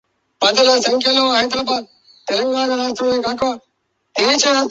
My toothache is more painful than it was yesterday.